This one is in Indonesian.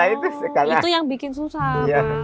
itu yang bikin susah pak